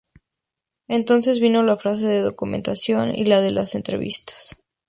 Entonces, vino la fase de documentación y la de las entrevistas.